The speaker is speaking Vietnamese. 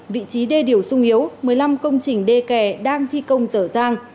vị trí đê điều sung yếu một mươi năm công trình đê kè đang thi công dở dang